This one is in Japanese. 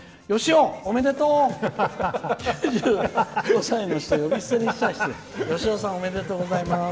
そうおめでとうございます。